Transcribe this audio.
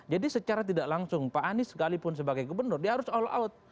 jadi secara tidak langsung pak any sekalipun sebagai gubernur dia harus all out